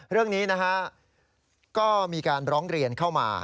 เรื่องนี้นะฮะก็มีการร้องเรียนเข้ามา